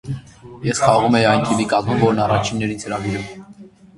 Ես խաղում էի այն թիմի կազմում, որն առաջինն էր ինձ հրավիրում։